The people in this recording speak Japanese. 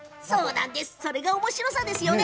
それがおもしろさですよね。